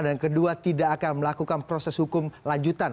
dan kedua tidak akan melakukan proses hukum lanjutan